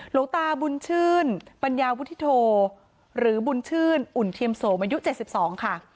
หลวงตาบุญชื่นปัญญาวุฒิโธหรือบุญชื่นอุ่นเทียมโสมอายุ๗๒ค่ะ